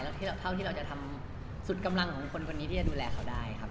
เท่าที่เราจะทำสุดกำลังของคนคนนี้ที่จะดูแลเขาได้ครับ